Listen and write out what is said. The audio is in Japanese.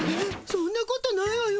そんなことないわよ。